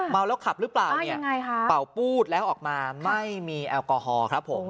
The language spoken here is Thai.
เมาแล้วขับหรือเปล่าเนี่ยเป่าปูดแล้วออกมาไม่มีแอลกอฮอล์ครับผม